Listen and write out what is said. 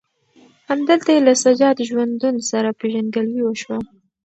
همدلته یې له سجاد ژوندون سره پېژندګلوي وشوه.